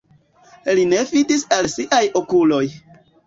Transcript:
Li ne fidis al siaj okuloj.